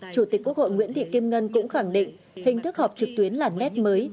chủ tịch quốc hội nguyễn thị kim ngân cũng khẳng định hình thức họp trực tuyến là nét mới